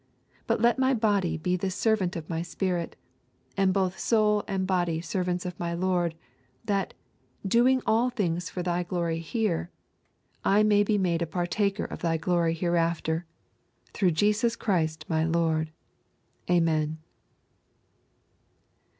But let my body be the servant of my spirit, and both soul and body servants of my Lord, that, doing all things for Thy glory here, I may be made a partaker of Thy glory hereafter; through Jesus Christ, my Lord. Amen.'